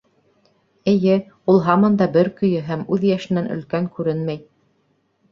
Эйе, ул һаман да бер көйө һәм үҙ йәшенән өлкән күренмәй.